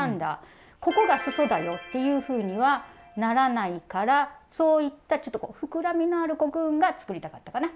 ここがすそだよっていうふうにはならないからそういったちょっと膨らみのあるコクーンが作りたかったかな。